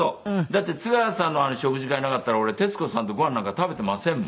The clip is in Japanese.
だって津川さんの食事会なかったら俺徹子さんとご飯なんか食べていませんもん。